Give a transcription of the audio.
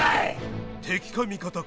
敵か味方か